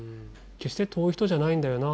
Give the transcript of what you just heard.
「決して遠い人じゃないんだよな。